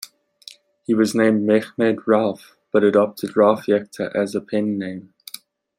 He was named Mehmed Rauf but adopted Rauf Yekta as a pen name.